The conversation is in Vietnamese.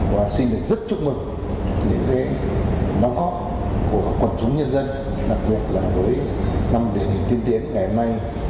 và xin được rất chúc mừng để có đóng góp của quần chúng nhân dân đặc biệt là với năm địa hình tiên tiến ngày hôm nay